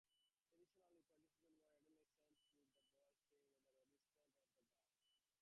Traditionally, participants were adolescents, with a boy staying at the residence of the girl.